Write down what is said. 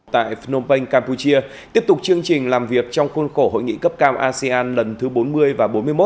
tại phnom penh campuchia tiếp tục chương trình làm việc trong khuôn khổ hội nghị cấp cao asean lần thứ bốn mươi và bốn mươi một